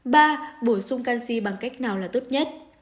ba bổ sung canxi bằng cách nào là tốt nhất